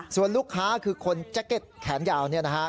ส่วนลูกค้าคือคนแจ็คเก็ตแขนยาวเนี่ยนะฮะ